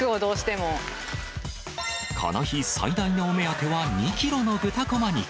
この日、最大のお目当ては、２キロの豚こま肉。